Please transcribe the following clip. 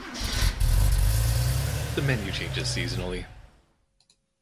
The menu changes seasonally.